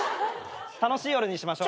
楽しい夜にしましょう。